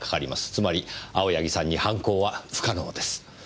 つまり青柳さんに犯行は不可能です。